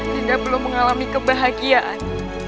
dinda belum mengalami kebahagiaan